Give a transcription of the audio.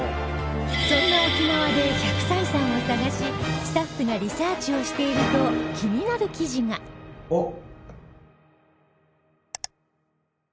そんな沖縄で１００歳さんを探しスタッフがリサーチをしていると気になる記事があっ！